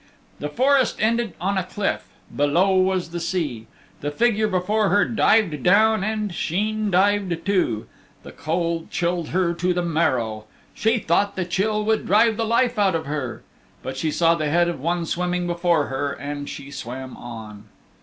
The forest ended on a cliff. Below was the sea. The figure before her dived down and Sheen dived too. The cold chilled her to the marrow. She thought the chill would drive the life out of her. But she saw the head of one swimming before her and she swam on.